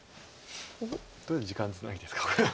とりあえず時間つなぎですかこれは。